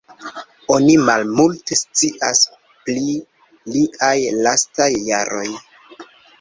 Oni malmulte scias pri liaj lastaj jaroj.